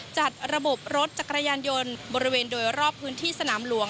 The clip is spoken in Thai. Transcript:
จัดระบบรถจักรยานยนต์บริเวณโดยรอบพื้นที่สนามหลวง